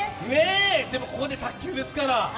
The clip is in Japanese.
でもここで卓球ですから。